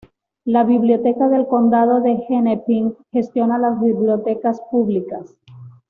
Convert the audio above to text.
La Biblioteca del Condado de Hennepin gestiona las bibliotecas públicas.